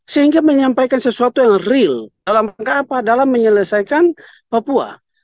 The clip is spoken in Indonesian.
sehingga menyampaikan sesuatu yang real dalam menyelesaikan papua